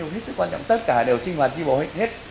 hết sức quan trọng tất cả đều sinh hoạt tri bộ hết